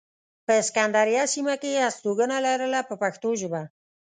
په سکندریه سیمه کې یې استوګنه لرله په پښتو ژبه.